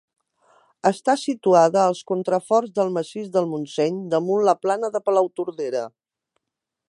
Està situat als contraforts del massís del Montseny damunt la plana de Palautordera.